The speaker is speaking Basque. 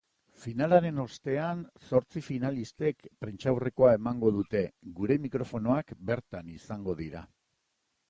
Finalaren ostean zortzi finalistek prentsaurrekoa emango dute gure mikrofonoak bertan izango dira.